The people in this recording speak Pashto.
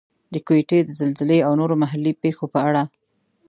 د کوټې د زلزلې او نورو محلي پېښو په اړه.